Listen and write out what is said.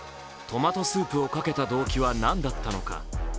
トマトスープをかけた動機は何だったのか？